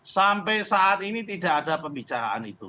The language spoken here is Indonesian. sampai saat ini tidak ada pembicaraan itu